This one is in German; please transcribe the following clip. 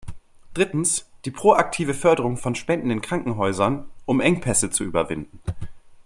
Drittens, die proaktive Förderung von Spenden in Krankenhäusern, um Engpässe zu überwinden.